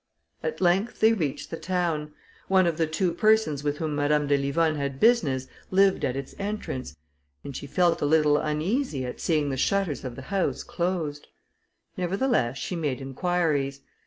At length they reached the town. One of the two persons with whom Madame de Livonne had business, lived at its entrance, and she felt a little uneasy at seeing the shutters of the house closed. Nevertheless she made inquiries.